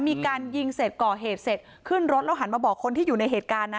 มีการยิงเสร็จก่อเหตุเสร็จขึ้นรถแล้วหันมาบอกคนที่อยู่ในเหตุการณ์นะ